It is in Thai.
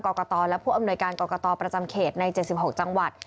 กรกตและผู้อำนวยการกรกตประจำเขตใน๗๖จังหวัด